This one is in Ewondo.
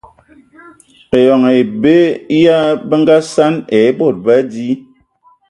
Eyɔŋ e be ya bə nga səŋ e bod ba di.